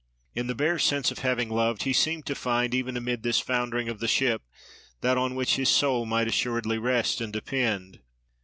In the bare sense of having loved he seemed to find, even amid this foundering of the ship, that on which his soul might "assuredly rest and depend."